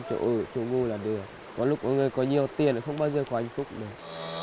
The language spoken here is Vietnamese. chẳng chỗ ngủ là được có lúc có người có nhiều tiền là không bao giờ có hạnh phúc nữa